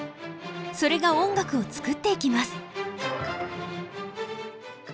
それが音楽を作っていきます。